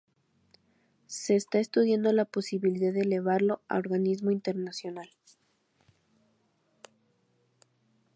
Se está estudiando la posibilidad de elevarlo a organismo internacional.